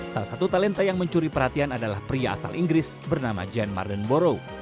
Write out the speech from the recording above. salah satu talenta yang mencuri perhatian adalah pria asal inggris bernama jan marden borrow